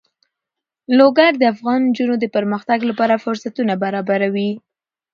لوگر د افغان نجونو د پرمختګ لپاره فرصتونه برابروي.